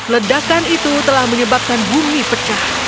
ledakan itu telah menyebabkan bumi pecah